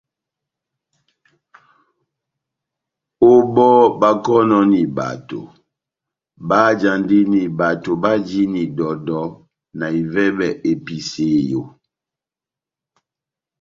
Ó bɔ́ báhákɔnɔni bato, báhájandini bato bajini dɔdɔ na ivɛbɛ episeyo.